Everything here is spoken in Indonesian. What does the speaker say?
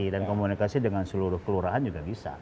dan komunikasi dengan seluruh kelurahan juga bisa